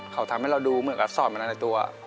เขาทำให้เราดูเหมือนก็สอนมาในตัว